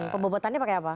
pembebotannya pakai apa